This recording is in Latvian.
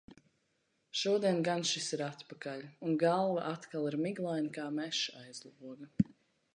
Šodien gan šis ir atpakaļ, un galva atkal ir miglaina kā mežs aiz loga.